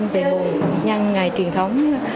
về bồn nhân ngày truyền thống